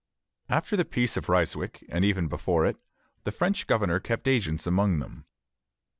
After the Peace of Ryswick, and even before it, the French governor kept agents among them.